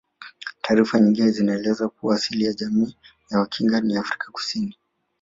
Taarifa nyingine zinaeleza kuwa asili ya jamii ya Wakinga ni Afrika Kusini